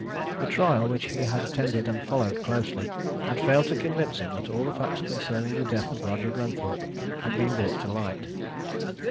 The trial, which he had attended and followed closely, had failed to convince him that all the facts concerning the death of Roger Glenthorpe had been brought to light.